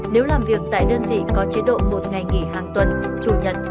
nếu làm việc tại đơn vị có chế độ một ngày nghỉ hàng tuần chủ nhật